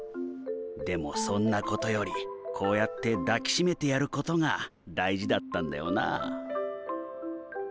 でもそんなことよりこうやって抱き締めてやることが大事だったんだよな。